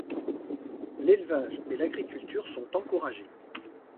L'élevage et l'agriculture sont encouragés.